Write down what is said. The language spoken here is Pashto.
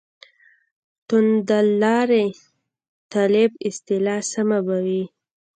«توندلاري طالبان» اصطلاح سمه به وي.